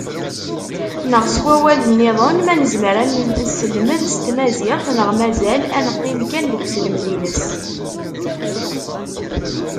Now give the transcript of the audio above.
Neɣ s wawal-nniḍen, ma nezmer ad neselmed s tmaziɣt neɣ mazal ad neqqim kan deg uselmed-ines?